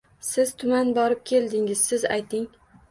— Siz tuman borib keldingiz, siz ayting?